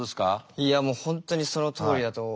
いやもう本当にそのとおりだと思います。